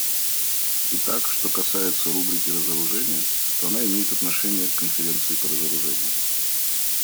Итак, что касается рубрики разоружения, то она имеет отношение к Конференции по разоружению.